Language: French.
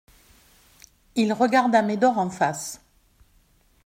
Il regarda Médor en face.